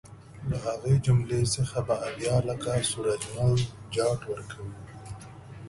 له هغې جملې څخه به اویا لکه سورج مل جاټ ورکوي.